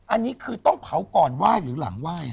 อันนี้คือต้องเผาก่อนไหว้หรือหลังไหว้